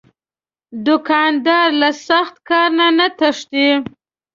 دوکاندار له سخت کار نه نه تښتي.